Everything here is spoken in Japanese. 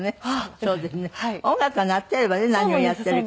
音楽が鳴っていればね何をやっているかが。